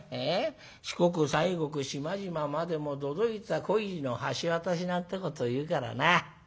『四国西国島々までも都々逸は恋路の橋渡し』なんてこというからな。